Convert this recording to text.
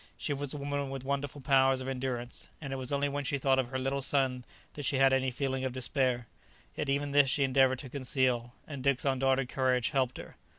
She was a woman with wonderful powers of endurance, and it was only when she thought of her little son that she had any feeling of despair; yet even this she endeavoured to conceal, and Dick's undaunted courage helped her.